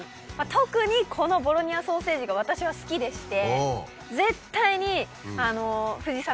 特にこのボロニアソーセージが私は好きでして。